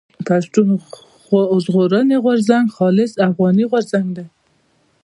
پښتون ژغورني غورځنګ خالص افغاني غورځنګ دی.